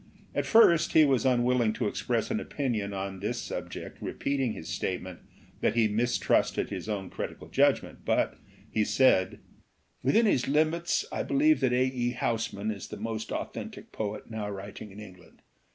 At first he was unwilling to express an opinion on this sub ject, repeating his statement that he mistrusted his own critical judgment. But he said: "Within his limits, I believe that A. E. Housman is the most authentic poet now writing in England.